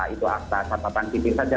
itu akta sahabatan kipis saja